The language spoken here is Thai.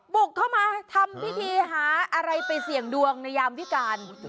บุกเข้ามาทำพิธีหาอะไรไปเสี่ยงดวงในยามวิการ